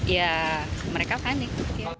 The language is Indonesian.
ya mereka panik